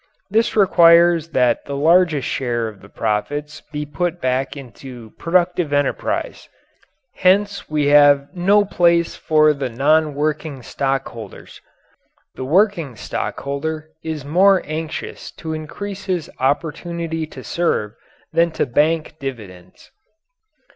This requires that the largest share of the profits be put back into productive enterprise. Hence we have no place for the non working stockholders. The working stockholder is more anxious to increase his opportunity to serve than to bank dividends.